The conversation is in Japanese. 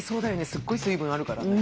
すっごい水分あるからね。